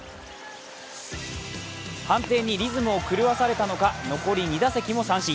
判定にリズムを狂わされたのか残り２打席も三振。